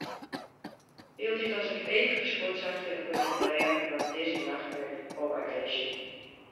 Hieltyd as ik eefkes fuortsakje, wurd ik pleage troch dizze nachtmerje fol agresje.